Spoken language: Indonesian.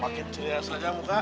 pakit ceria saja muka